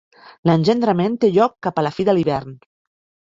L'engendrament té lloc cap a la fi de l'hivern.